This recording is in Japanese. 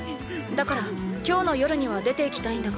だから今日の夜には出て行きたいんだが。